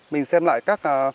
mình xem lại các